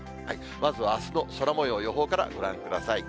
まずはあすの空もよう、予報からご覧ください。